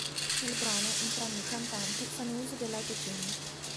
Nel brano entrambi i cantanti fanno uso dell'Auto-Tune.